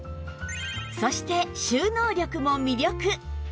そして収納力も魅力